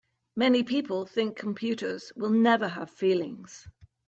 Many people think computers will never have feelings.